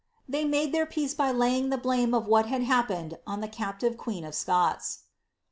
They made their peace by laying the blame of what lad happened on the captive queen of Scots.